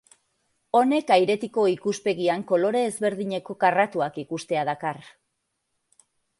Honek airetiko ikuspegian kolore ezberdineko karratuak ikustea dakar.